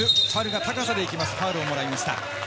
ファウルをもらいました。